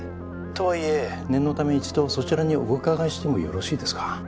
とはいえ念のため１度そちらにお伺いしてもよろしいですか？